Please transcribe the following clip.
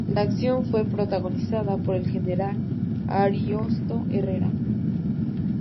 La acción fue protagonizada por el General Ariosto Herrera.